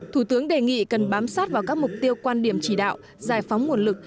thủ tướng đề nghị cần bám sát vào các mục tiêu quan điểm chỉ đạo giải phóng nguồn lực